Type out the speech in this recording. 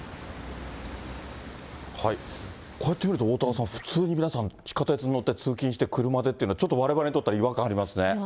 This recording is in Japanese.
こうやって見るとおおたわさん、普通に皆さん、地下鉄に乗って通勤して、車でっていうのは、ちょっとわれわれにとっては違和感ありますね。